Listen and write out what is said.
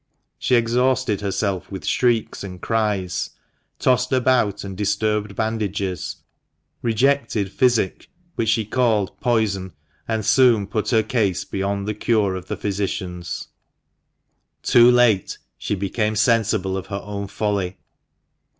She exhausted herself with shrieks and cries, tossed about and disturbed bandages, rejected physic, which she called "poison," and soon put her case beyond the cure of physicians. Too late she became sensible of her own folly.